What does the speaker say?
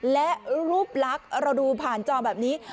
และรูปลักษณ์เราดูผ่านจอแบบนี้